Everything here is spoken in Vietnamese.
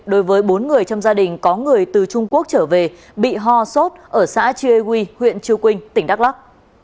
đối với bốn người trong gia đình có người từ trung quốc trở về bị ho sốt ở xã chia huy huyện chiu quynh tỉnh đắk lắc